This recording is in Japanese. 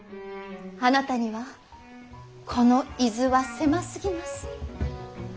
あなたにはこの伊豆は狭すぎます。